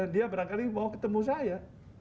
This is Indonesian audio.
dia berangkali mau ketemu saya